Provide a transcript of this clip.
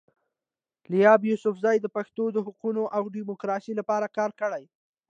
لایبا یوسفزۍ د پښتنو د حقونو او ډیموکراسۍ لپاره کار کړی.